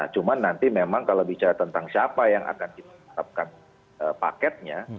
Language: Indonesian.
cuma nanti memang kalau bicara tentang siapa yang akan kita tetapkan paketnya